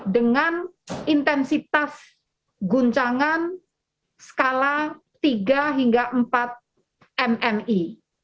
dengan intensitas guncangan skala tiga hingga empat mmi